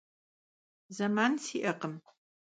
Zeman si'ekhım.